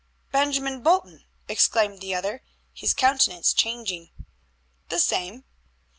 "Benjamin Bolton!" exclaimed the other, his countenance changing. "The same."